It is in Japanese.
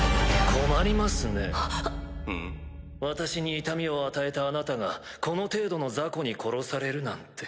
私に痛みを与えたあなたがこの程度の雑魚に殺されるなんて。